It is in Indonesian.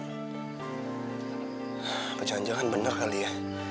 apa jangan jangan bener kali ya